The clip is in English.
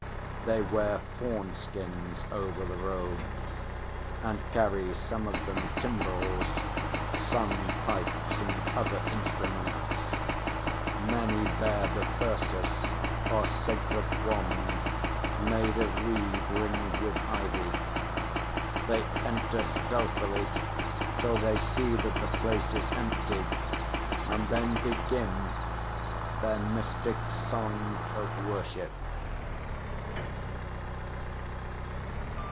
They wear fawn skins over the robes, and carry some of them timbrels, some pipes and other instruments. Many bear the thyrsus, or sacred Wand, made of reed ringed with ivy. They enter stealthily till they see that the place is empty, and then begin their mystic song of worship.